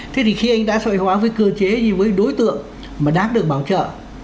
thế thì khi anh đã xoay hóa với cơ chế với đối tượng mà đáng được bảo trợ